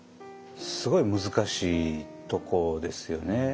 すごい難しいとこですよね。